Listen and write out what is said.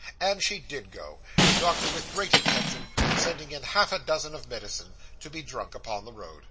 And she did go; the doctor with great attention sending in half a dozen of medicine, to be drunk upon the road.